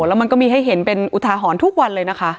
แล้วมันก็มีให้เห็นเป็นอุทาหรณ์ทุกวันเลยนะคะ